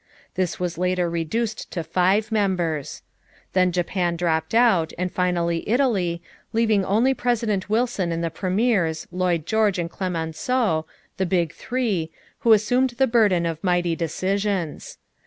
This was later reduced to five members. Then Japan dropped out and finally Italy, leaving only President Wilson and the Premiers, Lloyd George and Clémenceau, the "Big Three," who assumed the burden of mighty decisions.